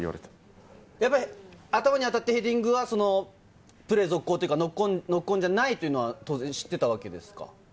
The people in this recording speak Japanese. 頭に当たってヘディングはプレー続行というか、ノックオンじゃないというのは当然知ってたわけですか？